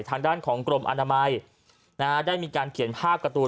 ทางด้านของกรมอนามัยนะฮะได้มีการเขียนภาพการ์ตูน